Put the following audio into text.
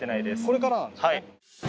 これからなんですよね。